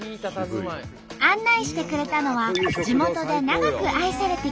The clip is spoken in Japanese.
案内してくれたのは地元で長く愛されてきた食堂。